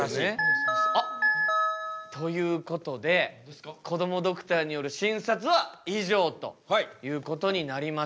あっ！ということでこどもドクターによる診察は以上ということになりました。